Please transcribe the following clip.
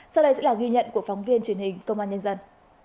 sau đây sẽ là ghi nhận của phóng viên truyền hình công an nhân dân